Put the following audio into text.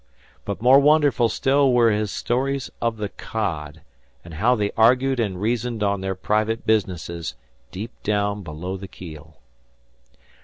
But more wonderful still were his stories of the cod, and how they argued and reasoned on their private businesses deep down below the keel.